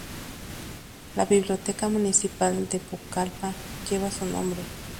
La Biblioteca Municipal de Pucallpa lleva su nombre.